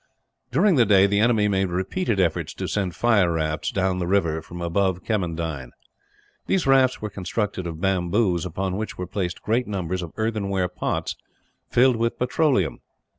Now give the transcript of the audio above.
During the day the enemy made repeated efforts to send fire rafts down the river from above Kemmendine. These rafts were constructed of bamboos, upon which were placed great numbers of earthenware pots, filled with petroleum.